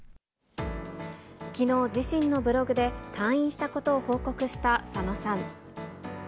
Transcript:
きのう、自身のブログで退院したことを報告した佐野さん。